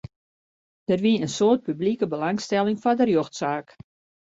Der wie in soad publike belangstelling foar de rjochtsaak.